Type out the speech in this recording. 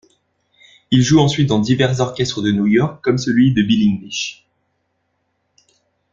Il joue ensuite dans divers orchestres de New York comme celui de Bill English.